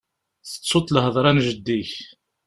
Tettuḍ lhedra n jeddi-k